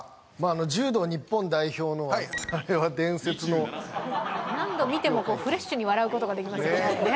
柔道日本代表のはあれは伝説の何度見てもフレッシュに笑うことができますよね